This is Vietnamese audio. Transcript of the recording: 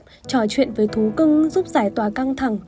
trò chuyện với thú cưng giúp giải tỏa căng thẳng